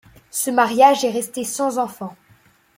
Ce mariage est restée sans enfant.